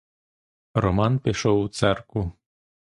Роман пішов у церкву.